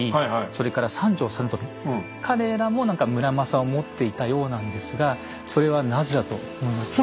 それから三条実美彼らも何か村正を持っていたようなんですがそれはなぜだと思いますか？